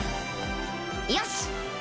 よし！